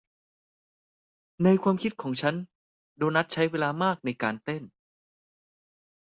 ในความคิดของฉันโดนัทใช้เวลามากในการเต้น